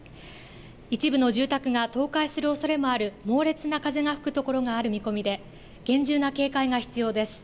一部の住宅が倒壊するおそれもある猛烈な風が吹く所がある見込みで厳重な警戒が必要です。